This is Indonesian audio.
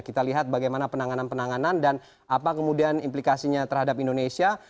kita lihat bagaimana penanganan penanganan dan apa kemudian implikasinya terhadap indonesia